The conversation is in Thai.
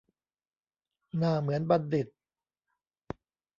หน้าเหมือนบัณฑิต